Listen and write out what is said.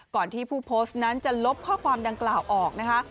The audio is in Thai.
ที่ผู้โพสต์นั้นจะลบข้อความดังกล่าวออกนะคะ